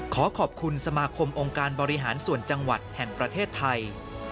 ขอขอบคุณสมาคมองค์การบริหารส่วนจังหวัดแห่งประเทศไทย